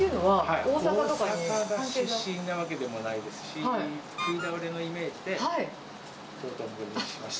大阪出身なわけでもないですし、食い倒れのイメージで、道頓堀にしました。